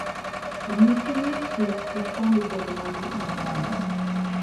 The mutinous troops responded by demanding even more.